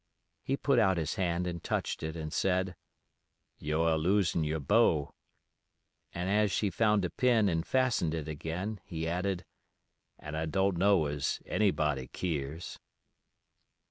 He put out his hand and touched it and said: "You're a losin' yer bow," and as she found a pin and fastened it again, he added, "An' I don' know as anybody keers."